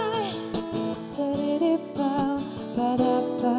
setidaknya kau pada pada